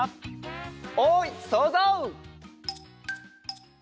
おいそうぞう！